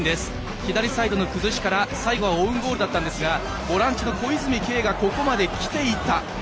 左サイドの崩しから、最後はオウンゴールだったんですがボランチの小泉慶がゴール前まで来ていた。